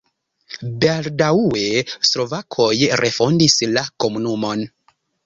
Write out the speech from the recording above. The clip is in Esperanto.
Baldaŭe slovakoj refondis la komunumon.